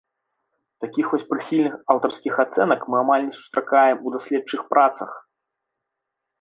Такіх вось прыхільных аўтарскіх ацэнак мы амаль не сустракаем у даследчых працах.